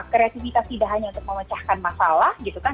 kreativitas tidak hanya untuk memecahkan masalah gitu kan